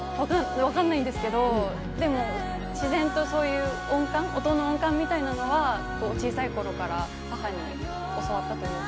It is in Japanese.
わからないですけれども、自然と音の音感みたいなのは小さい頃から母に教わったというか。